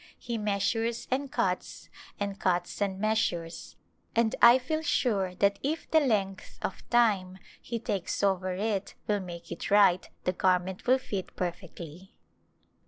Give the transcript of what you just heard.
He measures and cuts and cuts and measures, and I feel sure that if the length of time he takes over it will make it right the garment will fit perfectly.